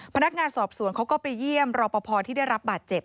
พนักงานสอบสวนเขาก็ไปเยี่ยมรอปภที่ได้รับบาดเจ็บ